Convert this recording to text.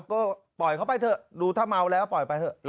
ก็ปล่อยเขาไปเถอะดูถ้าเมาแล้วปล่อยไปเถอะ